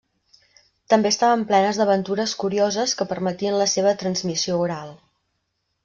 També estaven plenes d'aventures curioses que permetien la seva transmissió oral.